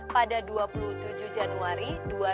pada dua puluh tujuh januari dua ribu dua puluh